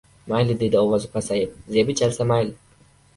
— Mayli, — dedi ovozi pasayib. — Zebi chalsa mayli.